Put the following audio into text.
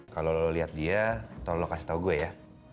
kalo lo liat dia tolong kasih tau gue ya